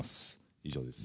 以上です。